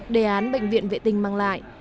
đề án bệnh viện vệ tinh mang lại